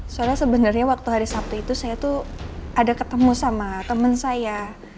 soalnya sebenarnya waktu hari sabtu itu saya tuh ada ketemu sama teman saya